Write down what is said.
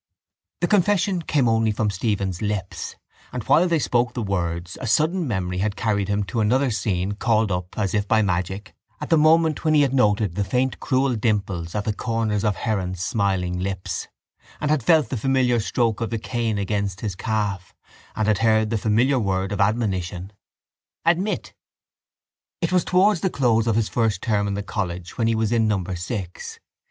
The confession came only from Stephen's lips and, while they spoke the words, a sudden memory had carried him to another scene called up, as if by magic, at the moment when he had noted the faint cruel dimples at the corners of Heron's smiling lips and had felt the familiar stroke of the cane against his calf and had heard the familiar word of admonition: —Admit. It was towards the close of his first term in the college when he was in number six.